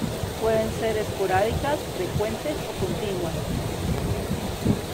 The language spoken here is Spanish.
Pueden ser esporádicas, frecuentes o continuas.